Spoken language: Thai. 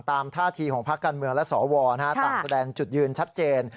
ตามท่าทีของภาคการเมืองและสอวรตามแสดงจุดยืนชัดเจน